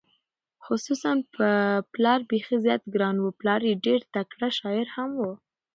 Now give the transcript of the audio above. خصوصا په پلار بېخي زیات ګران و، پلار یې ډېر تکړه شاعر هم و،